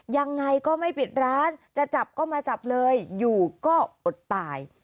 ยังไงก็ไม่ปิดร้านจะจับก็มาจับเลยอยู่ก็อดตาย